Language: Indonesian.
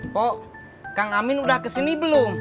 pok kang amin udah kesini belum